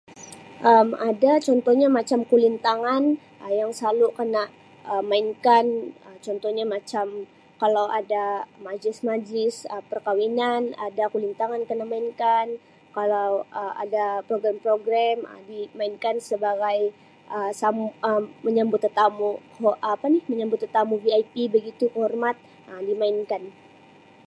Um Ada contohnya macam kulintangan Um yang selalu kena Um main kan Um contohnya macam kalau ada majlis-majlis Um perkahwinan ada kulintangan kena mainkan kalau ada Um program-program dimainkan Um sebagai sam Um menyambut tetamu keho [um2 apa ni menyambut tetamu VIP begitu kehormat Um dimainkan.